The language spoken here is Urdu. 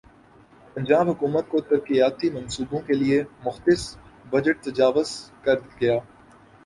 پنجاب حکومت کا ترقیاتی منصوبوں کیلئےمختص بجٹ تجاوزکرگیا